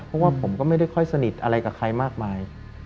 เพราะว่าผมก็ไม่ได้ค่อยสนิทอะไรกับใครมากมาย